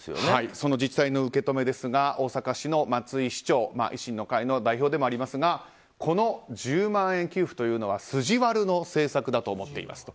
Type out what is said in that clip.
その自治体の受け止めですが大阪市の松井市長維新の会の代表でもありますがこの１０万円給付というのは筋悪の政策だと思っていますと。